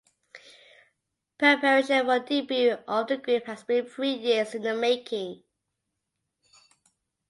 Preparation for the debut of the group has been three years in the making.